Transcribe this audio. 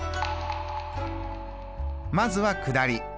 まずは下り。